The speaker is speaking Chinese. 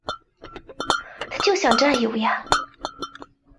他就想占有呀